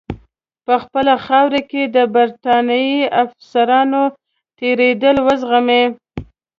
په خپله خاوره کې د برټانیې افسرانو تېرېدل وزغمي.